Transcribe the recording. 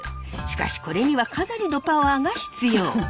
しかしこれにはかなりのパワーが必要。